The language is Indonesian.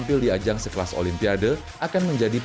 pada saat kualifikasi